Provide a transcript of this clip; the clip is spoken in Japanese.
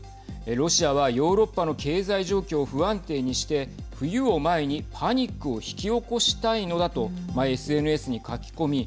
ロシアは、ヨーロッパの経済状況を不安定にして冬を前にパニックを引き起こしたいのだとＳＮＳに書き込み